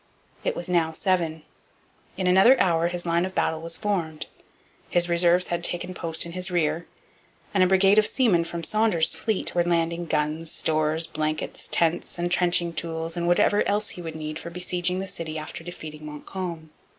It was now seven. In another hour his line of battle was formed, his reserves had taken post in his rear, and a brigade of seamen from Saunders's fleet were landing guns, stores, blankets, tents, entrenching tools, and whatever else he would need for besieging the city after defeating Montcalm.